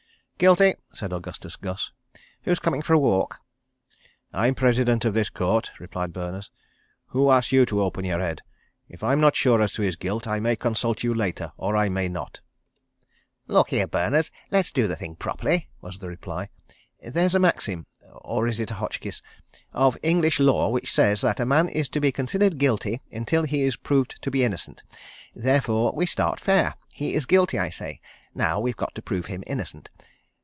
"Guilty," said Augustus Gus. "Who's coming for a walk?" "I'm President of this Court," replied Berners. "Who asked you to open your head? If I'm not sure as to his guilt, I may consult you later. Or I may not." "Look here, Berners—let's do the thing properly," was the reply. "There's a Maxim—or is it a Hotchkiss—of English Law which says that a man is to be considered Guilty until he is proved to be Innocent. Therefore we start fair. He is Guilty, I say. Now we've got to prove him Innocent.